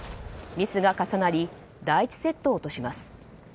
ミスが重なり第１セットを落とします。